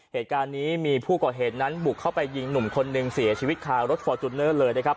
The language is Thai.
เหตุการณ์นี้มีผู้ก่อเหตุนั้นบุกเข้าไปยิงหนุ่มคนหนึ่งเสียชีวิตคารถฟอร์จูเนอร์เลยนะครับ